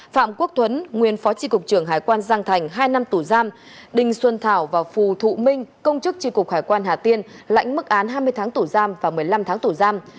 phạm quốc tuấn nguyên phó tri cục trưởng hải quan giang thành hai năm tù giam đinh xuân thảo và phù thụ minh công chức tri cục hải quan hà tiên lãnh mức án hai mươi tháng tù giam và một mươi năm tháng tù giam